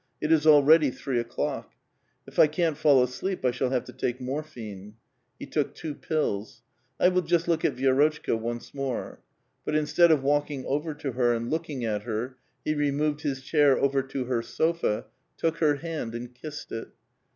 It is already three o'clock. " If I can't fall asleep, 1 shall have to take morphine." He took two pills. '*I will just look at Vi^rotcha once more." But instead of walking over to her and looking at her, he removed his chair over to her sofa, took her hand and kissed it.